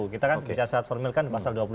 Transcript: kita kan bisa syarat formil kan pasal dua puluh dua